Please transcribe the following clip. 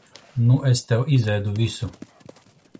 Nu es tev izēdu visu.